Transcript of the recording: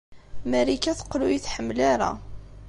Marika teqqel ur iyi-tḥemmel ara.